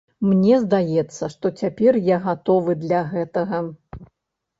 Мне здаецца, што цяпер я гатовы для гэтага.